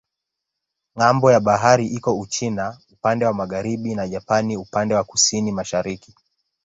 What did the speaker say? Ng'ambo ya bahari iko Uchina upande wa magharibi na Japani upande wa kusini-mashariki.